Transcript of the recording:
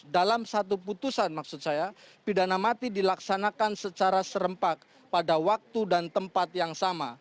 dalam satu putusan maksud saya pidana mati dilaksanakan secara serempak pada waktu dan tempat yang sama